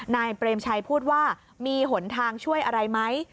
นายเปรมชัยพูดว่ามีหนทางช่วยอะไรไหม